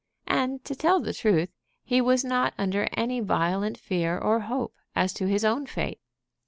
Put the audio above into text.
And, to tell the truth, he was not under any violent fear or hope as to his own fate.